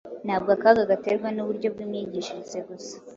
Ntabwo akaga gaterwa n’uburyo bw’imyigishirize gusa.